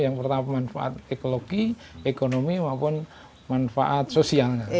yang pertama manfaat ekologi ekonomi maupun manfaat sosial